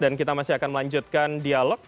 dan kita masih akan melanjutkan dialog